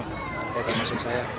kayak pemusim saya